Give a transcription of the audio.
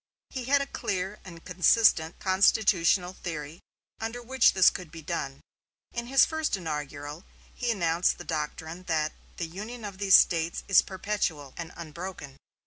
He had a clear and consistent constitutional theory under which this could be done. In his first inaugural he announced the doctrine that "the union of these States is perpetual" and "unbroken."